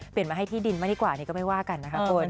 เปลี่ยนมาให้ที่ดินมาดีกว่านี่ก็ไม่ว่ากันนะคะ